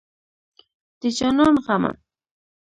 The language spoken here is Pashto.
د جانان غمه